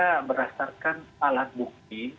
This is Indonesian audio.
kita berdasarkan alat bukti